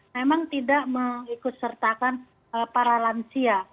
memang tidak mengikut sertakan para lansia